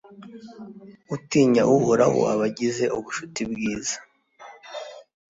utinya uhoraho aba agize ubucuti bwiza